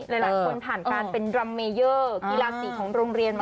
หลายคนผ่านการเป็นดรัมเมเยอร์กีฬาสีของโรงเรียนมา